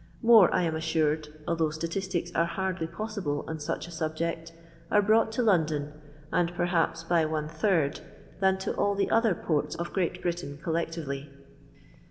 More, I am assured, although statistics aro hardly possible on such a subject, are brought to London, and perhaps by one third, than to all the other ports of Qreat Britain collectively.